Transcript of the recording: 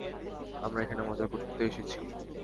আমরা এখানে মজা করতে এসেছি।